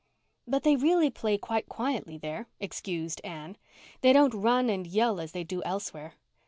"But they really play quite quietly there," excused Anne. "They don't run and yell as they do elsewhere.